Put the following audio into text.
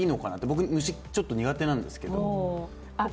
僕、虫、ちょっと苦手なんですけど。